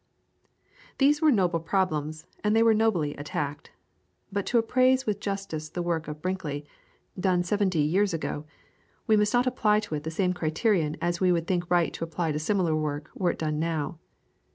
These were noble problems, and they were nobly attacked. But to appraise with justice this work of Brinkley, done seventy years ago, we must not apply to it the same criterion as we would think right to apply to similar work were it done now.